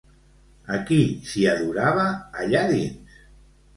A qui s'hi adorava, allà dins?